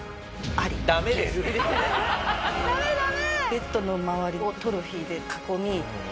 ベッドの周りをトロフィーで囲み寝てました。